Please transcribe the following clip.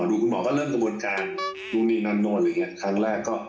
คุณหมอก็เริ่มกระบวนการนู่นนี่นั่นนู่นอะไรอย่างเงี้ครั้งแรกก็